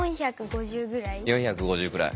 ４５０ぐらい。